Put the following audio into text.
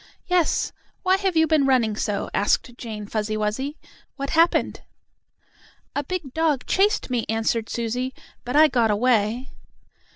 "Yes. Why have you been running so?" asked Jane Fuzzy Wuzzy. "What happened?" "A big dog chased me," answered Susie. "But I got away."